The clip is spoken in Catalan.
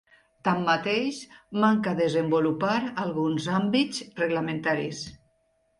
Tanmateix, manca desenvolupar alguns àmbits reglamentaris.